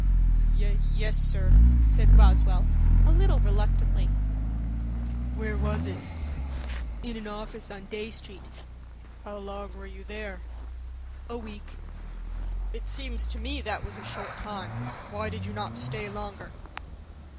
"Yes, sir," said Roswell, a little reluctantly. "Where was it?" "In an office on Dey Street." "How long were you there?" "A week." "It seems to me that was a short time. Why did you not stay longer?"